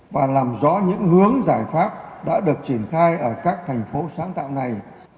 và làm rõ những hướng giải pháp đã được triển khai ở các thành phố sáng tạo này